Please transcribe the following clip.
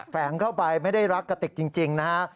แฝงเข้าไปไม่ได้รักกะติกจริงนะฮะ